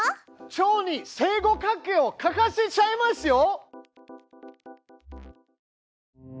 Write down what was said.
チョウに正五角形を描かせちゃいますよ！